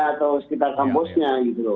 atau sekitar kampusnya